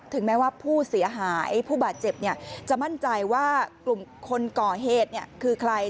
แม้ว่าผู้เสียหายผู้บาดเจ็บจะมั่นใจว่ากลุ่มคนก่อเหตุคือใคร